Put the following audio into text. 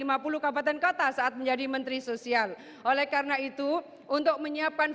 lima puluh kabupaten kota saat menjadi menteri sosial oleh karena itu untuk menyiapkan